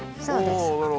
そうです。